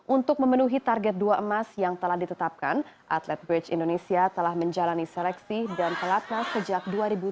untuk memenuhi target dua emas yang telah ditetapkan atlet bridge indonesia telah menjalani seleksi dan pelatnas sejak dua ribu tujuh belas